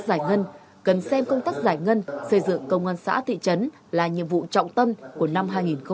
giải ngân cần xem công tác giải ngân xây dựng công an xã thị trấn là nhiệm vụ trọng tâm của năm